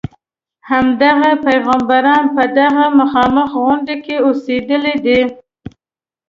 همدغه پیغمبران په دغه مخامخ غونډې کې اوسېدلي دي.